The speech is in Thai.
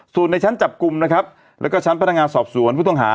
ส่วนในชั้นจับกลุ่มนะครับแล้วก็ชั้นพนักงานสอบสวนผู้ต้องหา